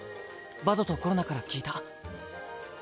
バドとコロナから聞いた。